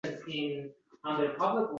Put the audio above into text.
birozdan keyin jur’at to‘plab: